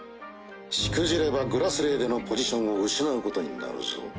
しくじれば「グラスレー」でのポジションを失うことになるぞ。